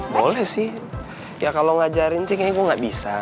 boleh sih ya kalau ngajarin sih kayaknya gue gak bisa